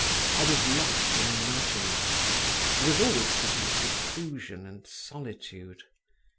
I was lost in imaginings, and was always seeking seclusion and solitude.